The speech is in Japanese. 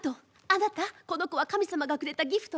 あなたこの子は神様がくれたギフトよ。